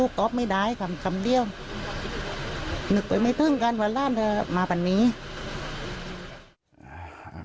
วันหน้าถ้ามาเบื้อนนี้